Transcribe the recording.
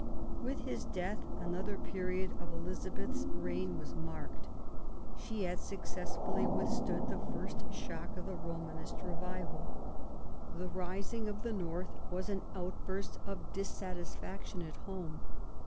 With his death another period of Elizabeth's reign was marked. She had successfully withstood the first shock of the Romanist revival. The rising of the North was an outburst of dissatisfaction at home.